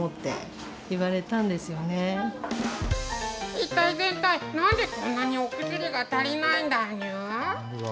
一体全体何でこんなにお薬が足りないんだにゅ。